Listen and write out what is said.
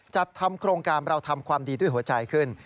จัดทำโครงการเราทำความดีด้วยหัวใจขึ้น